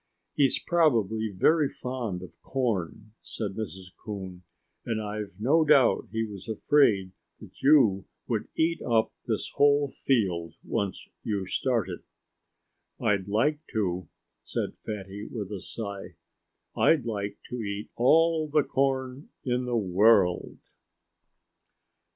"He's probably very fond of corn," said Mrs. Coon. "And I've no doubt he was afraid that you would eat up this whole field, once you started." "I'd like to," said Fatty, with a sigh. "I'd like to eat all the corn in the world."